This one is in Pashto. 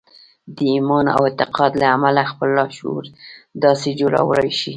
د ايمان او اعتقاد له امله خپل لاشعور داسې جوړولای شئ.